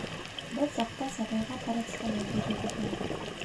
Был саҡта сабыйға парацетамол бирергә кәрәк.